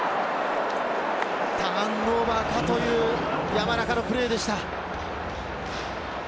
ターンオーバーかという山中のプレーでした。